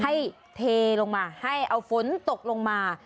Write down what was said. เทลงมาให้เอาฝนตกลงมา